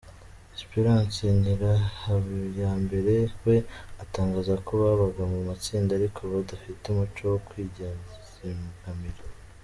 Espérance Nyirahabiyambere we atangaza ko babaga mu matsinda ariko badafite umuco wo kwizigamira.